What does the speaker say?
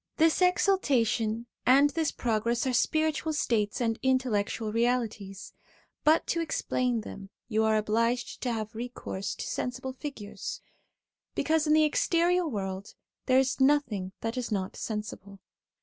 This exaltation and this progress are spiritual states and intellectual realities; but to explain them you are obliged to have recourse to sensible figures, because SOME CHRISTIAN SUBJECTS 97 in the exterior world there is nothing that is not sensible.